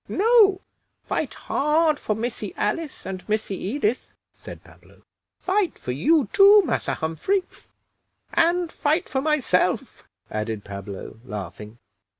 "No; fight hard for Missy Alice and Missy Edith," said Pablo; "fight for you too, Massa Humphrey, and fight for myself," added Pablo, laughing.